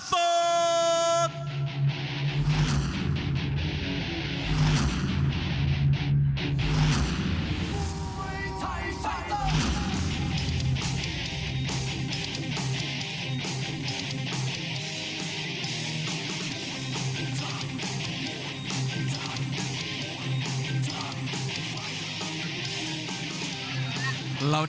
สิทธิ์กำนำประสด